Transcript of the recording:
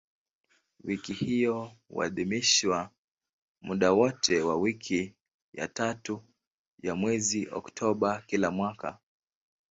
Wiki hiyo huadhimishwa muda wote wa wiki ya tatu ya mwezi Oktoba kila mwaka.